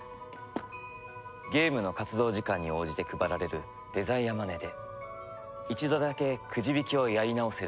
ゲームの活動時間に応じて配られるデザイアマネーで一度だけくじ引きをやり直せる